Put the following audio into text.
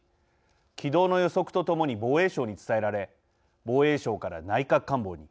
軌道の予測とともに防衛省に伝えられ防衛省から内閣官房に。